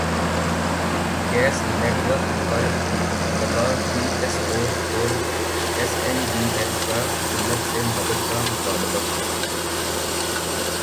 gas network پر دبا P S O اور ایس این جی ایل کا حکومت سے مدد کا مطالبہ